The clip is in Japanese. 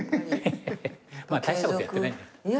まあ大したことやってないね。